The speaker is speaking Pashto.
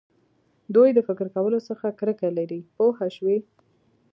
دوی د فکر کولو څخه کرکه لري پوه شوې!.